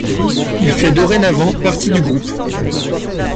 Il fait dorénavant partie du groupe.